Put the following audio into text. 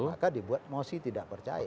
maka dibuat mosi tidak percaya